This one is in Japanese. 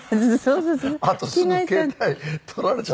あとすぐ携帯取られちゃって。